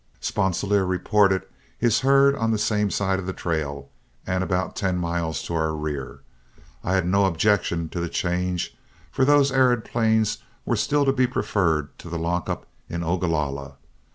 Sponsilier reported his herd on the same side of the trail and about ten miles to our rear. I had no objection to the change, for those arid plains were still to be preferred to the lock up in Ogalalla.